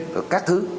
rồi các thứ